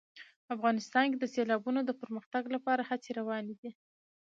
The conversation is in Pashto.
افغانستان کې د سیلابونو د پرمختګ لپاره هڅې روانې دي.